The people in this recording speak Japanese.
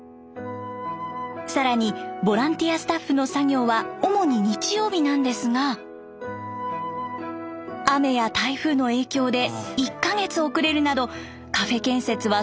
更にボランティアスタッフの作業は主に日曜日なんですが雨や台風の影響で１か月遅れるなどカフェ建設は想像以上に難航。